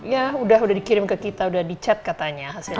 ya sudah sudah dikirim ke kita sudah di chat katanya hasilnya